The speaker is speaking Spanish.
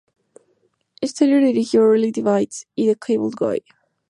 Stiller dirigió "Reality Bites" y "The Cable Guy".